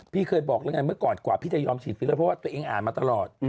พี่เคยบอกแล้วไงเมื่อก่อนกว่าพี่จะยอมฉีดฟิลเลอร์เพราะว่าตัวเองอ่านมาตลอด